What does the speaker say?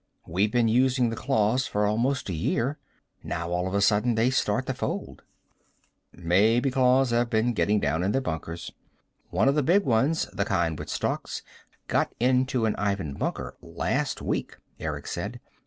We've been using the claws for almost a year. Now all of a sudden they start to fold." "Maybe claws have been getting down in their bunkers." "One of the big ones, the kind with stalks, got into an Ivan bunker last week," Eric said.